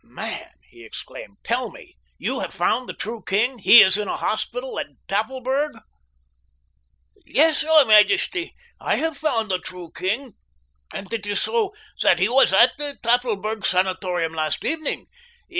"Man!" he exclaimed. "Tell me—you have found the true king? He is at a hospital in Tafelberg?" "Yes, your majesty, I have found the true king, and it is so that he was at the Tafelberg sanatorium last evening.